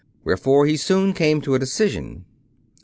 Wherefore he soon came to a decision.